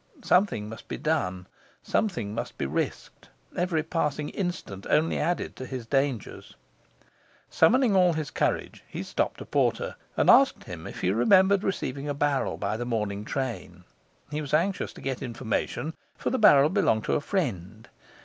Something must be done, something must be risked. Every passing instant only added to his dangers. Summoning all his courage, he stopped a porter, and asked him if he remembered receiving a barrel by the morning train. He was anxious to get information, for the barrel belonged to a friend.